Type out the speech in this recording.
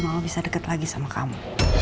mama bisa dekat lagi sama kamu